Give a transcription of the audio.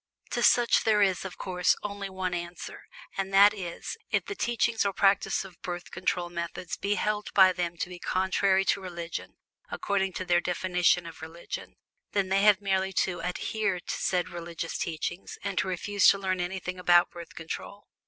To such there is, of course, only one answer, and that is that if the teaching or practice of Birth Control methods be held by them to be "contrary to religion" (according to their definition of "religion") then they have merely to adhere to the said religious teachings, and to refuse to learn anything about Birth Control.